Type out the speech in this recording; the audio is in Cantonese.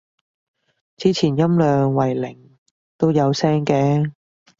之前音量為零都有聲嘅